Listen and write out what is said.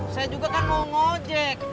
saya juga kan mau ngojek